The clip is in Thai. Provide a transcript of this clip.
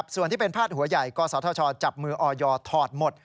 ส่วนที่เป็นพาดหัวใหญ่กศธชจับมือออยถอดหมด